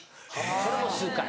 それも数回。